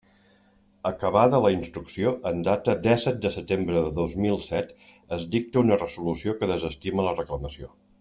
Acabada la instrucció, en data dèsset de setembre de dos mil set es dicta una resolució que desestima la reclamació.